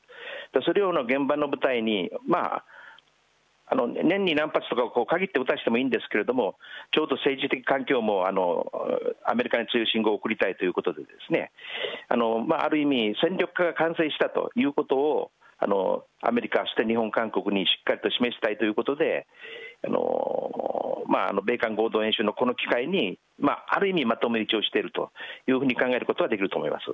それを現場の部隊に、年に何発とか限って撃たせてもいいんですけども、ちょうど政治的環境もアメリカに強い信号を送りたいということで、ある意味、戦力化が完成したということを、アメリカそして日本、韓国にしっかりと示したいということで、米韓合同演習のこの機会に、ある意味、まとめ撃ちをしていると考えることができると思います。